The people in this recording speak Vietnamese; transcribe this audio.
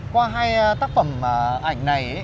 qua hai tác phẩm ảnh này